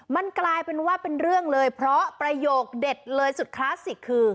มันกลายเป็นว่าเป็นเรื่องเลยเพราะประโยคเด็ดเลยสุดคลาสสิกคือ